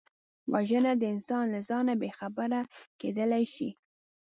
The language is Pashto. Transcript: وژنه د انسان له ځانه بېخبره کېدل دي